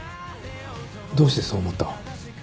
どうしてそう思った？